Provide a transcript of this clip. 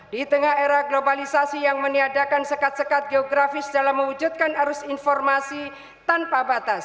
di tengah era globalisasi yang meniadakan sekat sekat geografis dalam mewujudkan arus informasi tanpa batas